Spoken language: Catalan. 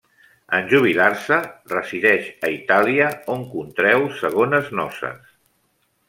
En jubilar-se, resideix a Itàlia on contreu segones noces.